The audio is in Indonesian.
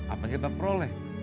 apa yang kita peroleh